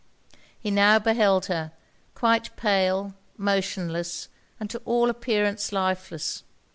He now beheld her, quite pale, motionless, and to all appearance lifeless.